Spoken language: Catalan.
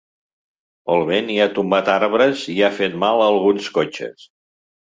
El vent hi ha tombat arbres i ha fet mal a alguns cotxes.